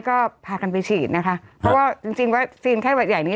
ก็พากันไปฉีดนะคะเพราะว่าจริงจริงวัคซีนไข้หวัดใหญ่นี้